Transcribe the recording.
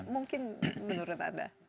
mungkin menurut anda